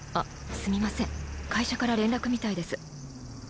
すみません会社から連絡みたいです